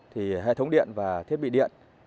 thì hệ thống điện và thiết bị điện